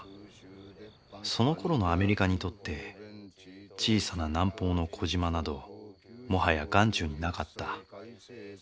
そのころのアメリカにとって小さな南方の小島などもはや眼中になかった。